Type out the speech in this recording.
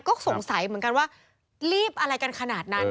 ก็สงสัยเหมือนกันว่ารีบอะไรกันขนาดนั้น